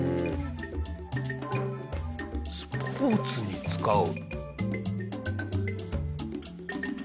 スポーツに使う？